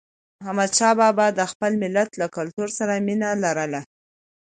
احمدشاه بابا د خپل ملت له کلتور سره مینه لرله.